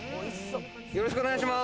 よろしくお願いします。